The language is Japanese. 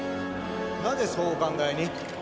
なぜそうお考えに？